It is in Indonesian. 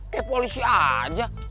kayak polisi aja